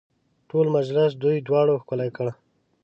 ټول مجلس دوی دواړو ښکلی کړ.